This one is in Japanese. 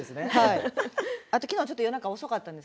あと昨日ちょっと夜中遅かったんです。